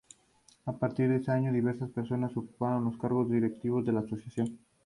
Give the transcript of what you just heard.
A partir de ese año diversas persona ocuparon los cargos directivos en la asociación.